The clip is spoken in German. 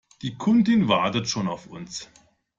Die Kundin wartet schon auf uns.